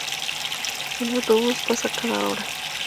El autobús pasa cada hora.